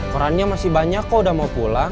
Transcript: korannya masih banyak kok udah mau pulang